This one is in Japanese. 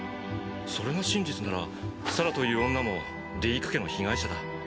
それが真実ならサラという女もディーク家の被害者だ。